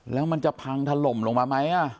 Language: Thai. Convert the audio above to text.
แล้วมันจะพังถล่มลงมาไหม